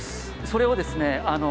それをですね